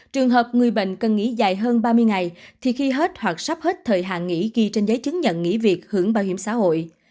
trường hợp người bệnh cần nghỉ dài hơn ba mươi ngày thì khi hết hoặc sắp hết thời hạn nghỉ ghi trên giấy chứng nhận nghỉ việc hưởng bảo hiểm xã hội